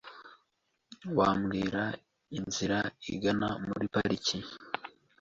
Wambwira inzira igana muri pariki?